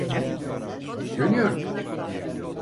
Dönüyorum.